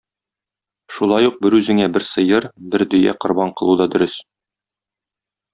Шулай ук берүзеңә бер сыер, бер дөя корбан кылу да дөрес.